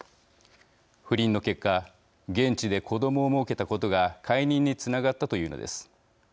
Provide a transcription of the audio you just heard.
不倫の結果現地で子どもをもうけたことが解任につながったというのです。